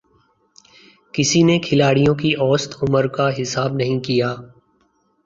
کسی نے کھلاڑیوں کی اوسط عمر کا حساب نہیں کِیا